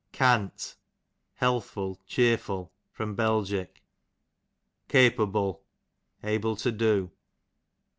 Cant, healthful, chearful. Bel. Capable, able to do.